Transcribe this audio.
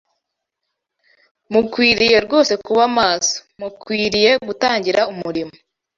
Mukwiriye rwose kuba maso. Mukwiriye gutangira umurimo